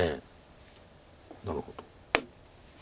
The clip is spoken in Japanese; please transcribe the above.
なるほど。